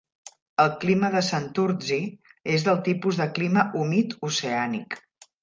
El clima de Santurtzi és del tipus de clima humit oceànic.